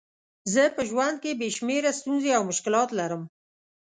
زه په ژوند کې بې شمېره ستونزې او مشکلات لرم.